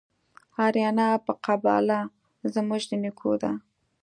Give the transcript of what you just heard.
آریانا په قباله زموږ د نیکو ده